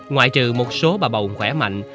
ngoại trừ một số bà bầu khỏe mạnh